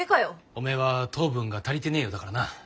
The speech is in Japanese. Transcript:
おめえは糖分が足りてねえようだからな。